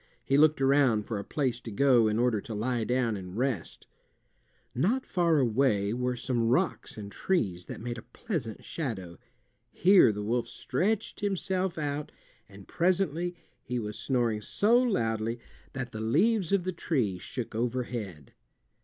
He looked around for a place to go in order to lie down and rest. Not far away were some rocks and trees that made a pleasant shadow. Here the wolf stretched himself out, and presently he was snoring so loudly that the leaves of the trees shook overhead.